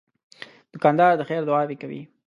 دوکاندار د خیر دعاوې کوي.